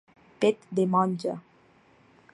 Pet de monja.